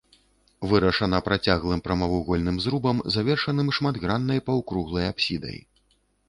Вырашана працяглым прамавугольным зрубам, завершаным шматграннай паўкруглай апсідай.